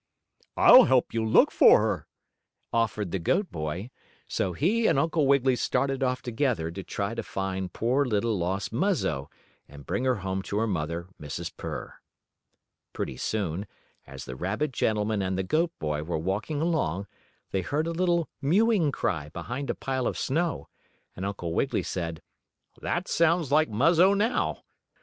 "I'll help you look for her," offered the goat boy, so he and Uncle Wiggily started off together to try to find poor little lost Muzzo, and bring her home to her mother, Mrs. Purr. Pretty soon, as the rabbit gentleman and the goat boy were walking along they heard a little mewing cry behind a pile of snow, and Uncle Wiggily said: "That sounds like Muzzo now."